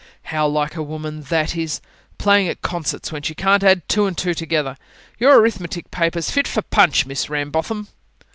"How like a woman that is! Playing at concerts when she can't add two and two together! Your arithmetic paper's fit for PUNCH, Miss Rambotham."